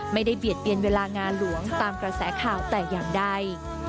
เบียดเบียนเวลางานหลวงตามกระแสข่าวแต่อย่างใด